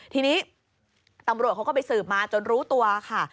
ทีนี้ตำรวจเขาก็ไปสืบมาจนรู้ตัวค่ะ